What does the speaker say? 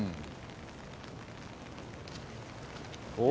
お！